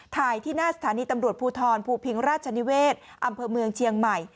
ถ่ายที่หน้าสถานีตำรวจภูทรภูพิงราชนิเวศอำเภอเมืองเชียงใหม่